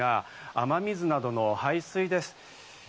雨水などの排水です。